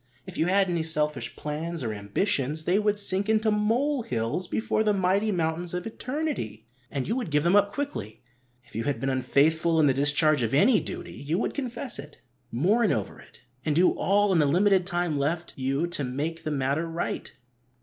If you had any selfish plans, or ambitions, they would sink into mole hills before the mighty mountains of eternity, and you would give them up quickly. If you had been unfaithful in the discharge of any duty, you would confess it, mourn over it, and do all in the limited time left you to make the matter right.